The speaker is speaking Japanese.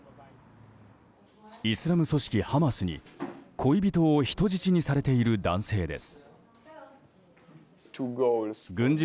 イスラム組織ハマスに、恋人を人質にされている男性です。